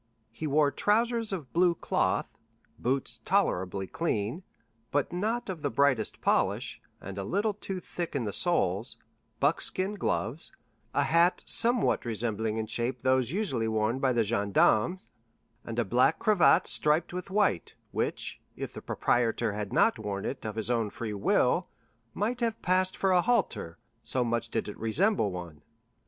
He wore trousers of blue cloth, boots tolerably clean, but not of the brightest polish, and a little too thick in the soles, buckskin gloves, a hat somewhat resembling in shape those usually worn by the gendarmes, and a black cravat striped with white, which, if the proprietor had not worn it of his own free will, might have passed for a halter, so much did it resemble one.